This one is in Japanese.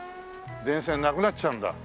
電線なくなっちゃうんだ。